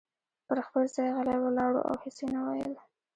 پر خپل ځای غلی ولاړ و او هیڅ یې نه ویل.